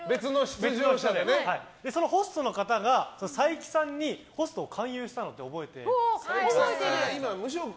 そのホストの方が佐伯さんにホストを勧誘したの覚えてますか？